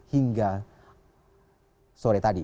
hingga sore tadi